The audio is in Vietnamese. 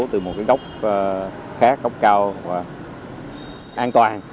từ một cái góc khác góc cao và an toàn